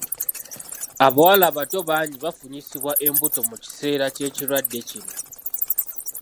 Abawala abato bangi bafunyisiddwa embuto mu kiseera ky'ekirwadde kino.